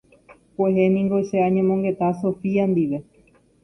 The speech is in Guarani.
Kuehe ningo che añemongeta Sofía ndive.